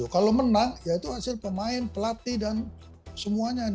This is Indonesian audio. kalau menang ya itu hasil pemain pelatih dan semuanya